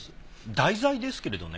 題材ですけれどね